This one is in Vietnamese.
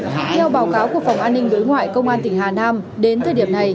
theo báo cáo của phòng an ninh đối ngoại công an tỉnh hà nam đến thời điểm này